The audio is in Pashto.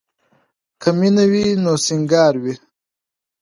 که مینه وي نو سینګار وي.